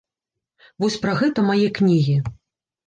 Вось пра гэта мае кнігі.